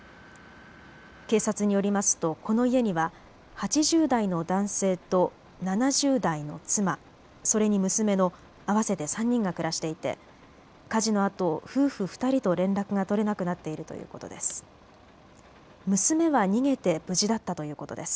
警察によりますと、この家には８０代の男性と７０代の妻、それに娘の合わせて３人が暮らしていて火事のあと夫婦２人と連絡が取れなくなっているということです。